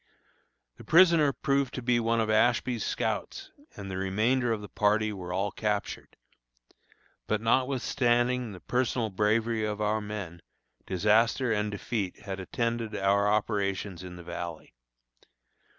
The prisoner proved to be one of Ashby's scouts, and the remainder of the party were all captured. But notwithstanding the personal bravery of our men, disaster and defeat had attended our operations in the Valley.